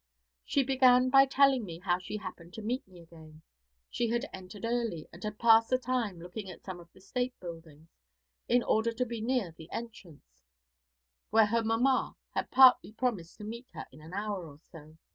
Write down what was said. She began by telling me how she "happened to meet me again." She had entered early, and had passed the time looking at some of the State buildings, in order to be near the entrance, where her "mamma" had partly promised to meet her in an hour or so.